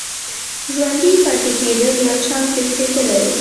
ژوندي پاتې کېدل یو چانس ګرځېدلی و.